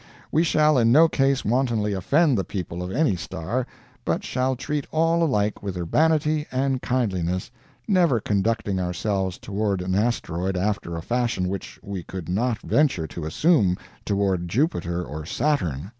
We shall in no case wantonly offend the people of any star, but shall treat all alike with urbanity and kindliness, never conducting ourselves toward an asteroid after a fashion which we could not venture to assume toward Jupiter or Saturn.